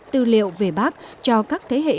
tư liệu về bác cho các thế hệ